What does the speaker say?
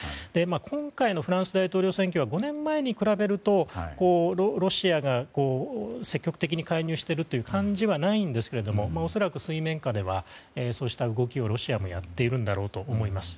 今回のフランス大統領選挙は５年前に比べるとロシアが積極的に介入しているという感じはないんですが恐らく水面下ではそうした動きをロシアもやっているんだろうと思います。